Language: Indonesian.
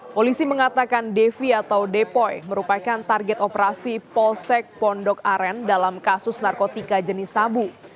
polisi mengatakan devi atau depoi merupakan target operasi polsek pondok aren dalam kasus narkotika jenis sabu